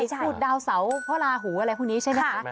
พูดดาวเสาพระลาหูอะไรพวกนี้ใช่ไหมคะ